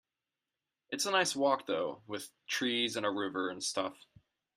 It's a nice walk though, with trees and a river and stuff.